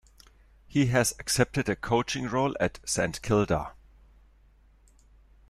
He has accepted a coaching role at Saint Kilda.